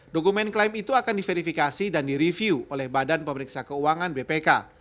dokumen klaim itu akan diverifikasi dan direview oleh badan pemeriksa keuangan bpk